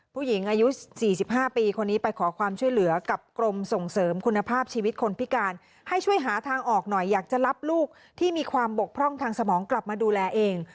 ผู้หญิงอายุ๔๕ปีคนนี้ไปขอความช่วยเหลือกับกรมส่งเสริมคุณภาพชีวิตคนพิการให้ช่วยหาทางออกหน่อยอยากจะรับลูกที่มีความบกพร่องทางสมองกลับมาดูแลเอง